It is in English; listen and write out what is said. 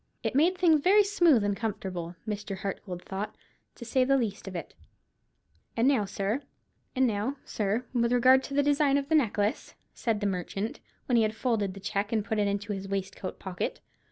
It made things very smooth and comfortable, Mr. Hartgold thought, to say the least of it. "And now, sir, with regard to the design of the necklace," said the merchant, when he had folded the cheque and put it into his waistcoat pocket.